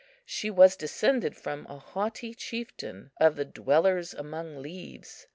She was descended from a haughty chieftain of the "Dwellers among the Leaves."